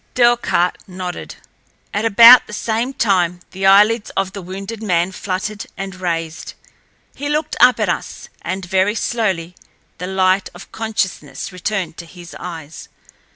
Delcarte nodded. At about the same time the eyelids of the wounded man fluttered, and raised. He looked up at us, and very slowly the light of consciousness returned to his eyes.